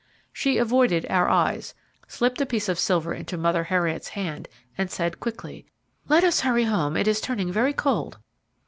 She avoided our eyes, slipped a piece of silver into Mother Heriot's hand, and said quickly: "Let us hurry home; it is turning very cold."